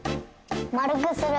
まるくする？